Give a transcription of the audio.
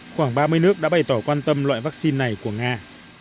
khoảng ba mươi nước đã bày tỏ quan tâm loại vaccine này của nga